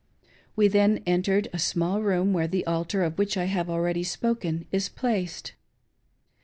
We then entered a §mall room where the altar, of which I have already spoken, is placed.